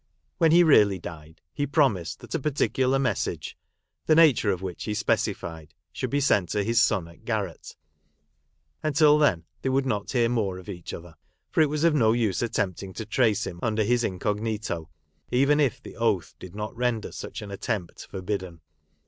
When he really died he promised that a particular message, the nature of which he specified, should be sent to his son at Garratt ; until then they would not hear more of each other ; for it was of no use attempting to trace him under his incog nito, even if the oath did not render such an attempt forbidden.